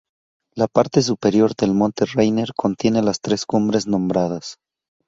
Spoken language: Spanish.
La parte superior del monte Rainier contiene las tres cumbres nombradas.